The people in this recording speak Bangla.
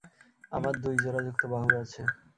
আমার দুই জোড়াযুক্ত বাহু আছে।